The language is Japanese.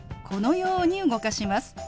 このように動かします。